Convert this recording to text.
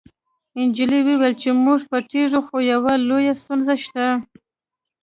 نجلۍ وویل چې موږ پټیږو خو یوه لویه ستونزه شته